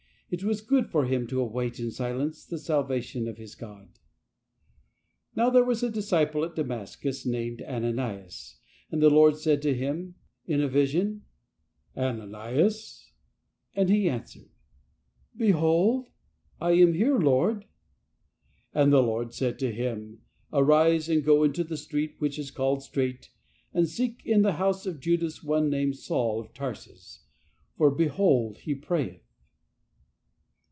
It was good for him to await in silence the salvation of his God " Now there was a disciple at Damascus named Ananias, and the Lord said to him in a vision; 'Ananias.' And he answered: 'Be hold I am here, Lord.' "" And the Lord said to him; ' Arise and go into the street which is called Strait, and seek in the house of Judas one named Saul of Tarsus. For behold he prayeth.